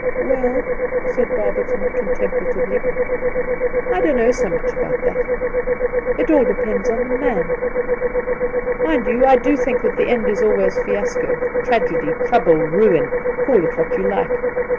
Well,' said Barberton contemplatively, ' I don't know so much about that. It aU depends upon the man. Mind you, I do think that the end is always fiasco — tragedy, trouble, ruin, call it what you like.